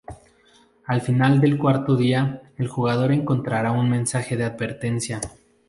Al final del cuarto día, el jugador encontrará un mensaje de advertencia.